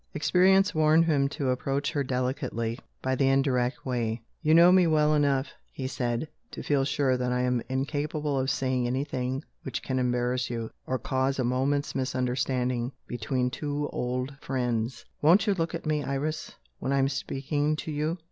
Experience warned him to approach her delicately, by the indirect way. "You know me well enough," he said, "to feel sure that I am incapable of saying anything which can embarrass you, or cause a moment's misunderstanding between two old friends. Won't you look at me, Iris, when I am speaking to you?"